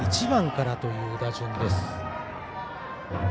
１番からという打順です。